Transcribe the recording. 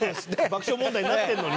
爆笑問題になってるのに。